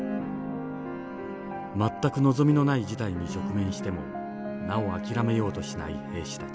全く望みのない事態に直面してもなお諦めようとしない兵士たち。